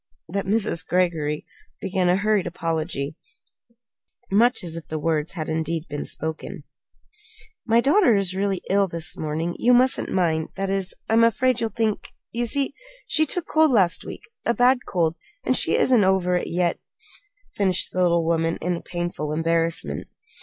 that Mrs. Greggory began a hurried apology, much as if the words had indeed been spoken. "My daughter is really ill this morning. You mustn't mind that is, I'm afraid you'll think you see, she took cold last week; a bad cold and she isn't over it, yet," finished the little woman in painful embarrassment.